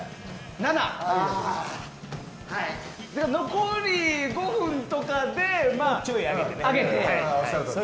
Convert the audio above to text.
残り５分とかで、ちょい上げて。